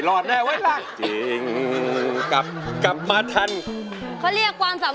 ร้องโทษได้พันธุ์